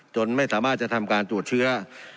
ไม่สามารถจะทำการตรวจเชื้อ